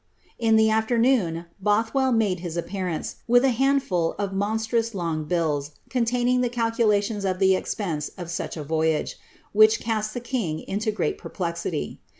In the afternoon, Bothwell made his appearance, with a hand ful of moJistrous long hills, containing the calcniaiions of the expense i^i such a voyage, which cast the king into great perplexity.